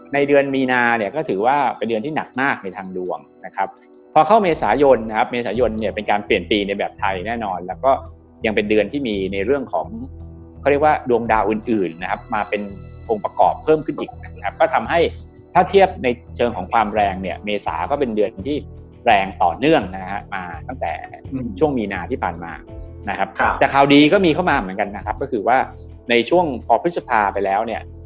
ในเดือนมีนาเนี่ยก็ถือว่าเป็นเดือนที่หนักมากในทางดวงนะครับพอเข้าเมษายนนะครับเมษายนเนี่ยเป็นการเปลี่ยนปีในแบบไทยแน่นอนแล้วก็ยังเป็นเดือนที่มีในเรื่องของเขาเรียกว่าดวงดาวอื่นนะครับมาเป็นพรงประกอบเพิ่มขึ้นอีกนะครับก็ทำให้ถ้าเทียบในเชิงของความแรงเนี่ยเมษาก็เป็นเดือนที่แรงต่อเ